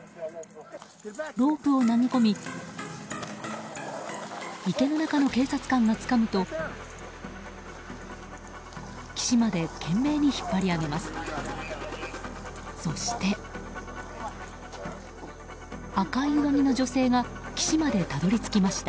ロープを投げ込み池の中の警察官がつかむと岸まで懸命に引っ張り上げます。